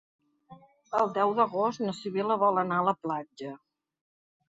El deu d'agost na Sibil·la vol anar a la platja.